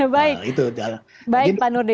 baik pak nur